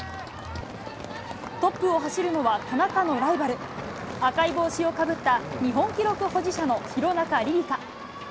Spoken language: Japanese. トップを走るのは田中のライバル、赤い帽子をかぶった日本記録保持者の廣中璃梨佳。